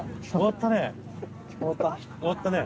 終わったね。